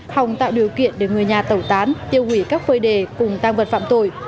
hòng tạo điều kiện để người nhà tẩu tán tiêu hủy các phơi đề cùng tăng vật phạm tội